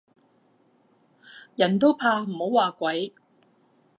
人都怕唔好話鬼